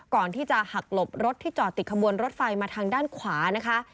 ก่อนที่จะหักหลบรถที่จอดติดขบวนรถไฟมาทางด้านขวานะคะ